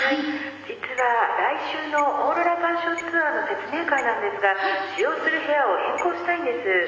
実は来週のオーロラ観賞ツアーの説明会なんですが使用する部屋を変更したいんです。